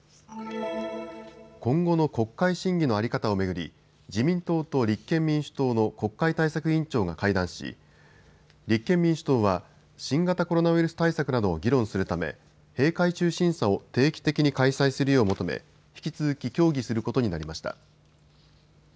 今後の国会審議の在り方を巡り自民党と立憲民主党の国会対策委員長が会談し、立憲民主党は新型コロナウイルス対策などを議論するため閉会中審査を定期的に開催するよう求め引き続き協議することになりました。